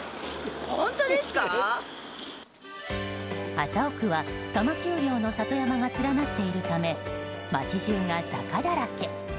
麻生区は多摩丘陵の里山が連なっているため街中が坂だらけ。